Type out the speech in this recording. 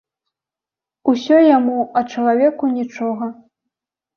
Усё яму, а чалавеку нічога.